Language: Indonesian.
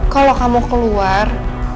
kalau kamu keluar